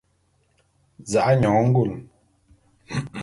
Za'a nyone ngule.